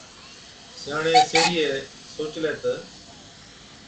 سِياڻي سيهڙِيئَي سوچلَي تہ،